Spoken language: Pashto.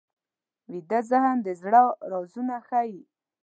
ویده ذهن د زړه رازونه ښيي